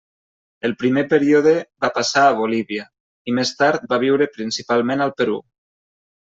El primer període va passar a Bolívia, i més tard va viure principalment al Perú.